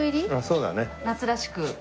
そうだね。夏らしく。